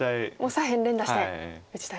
左辺連打して打ちたい。